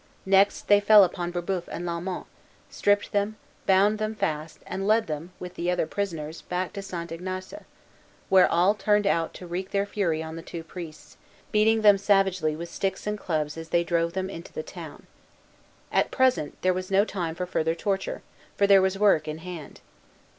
Next they fell upon Brébeuf and Lalemant, stripped them, bound them fast, and led them with the other prisoners back to St. Ignace, where all turned out to wreak their fury on the two priests, beating them savagely with sticks and clubs as they drove them into the town. At present, there was no time for further torture, for there was work in hand.